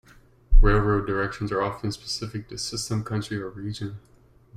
Railroad directions are often specific to system, country, or region.